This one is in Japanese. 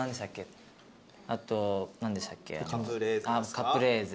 カプレーゼ。